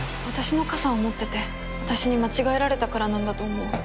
私の傘を持ってて私に間違えられたからなんだと思う。